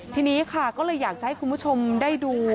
ทีนี้ค่ะก็เลยอยากจะให้คุณผู้ชมได้ดู